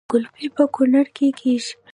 ګلپي په کونړ کې کیږي